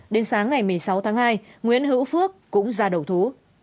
đến sáng ngày một mươi sáu tháng hai nguyễn hữu phước cũng ra đầu thú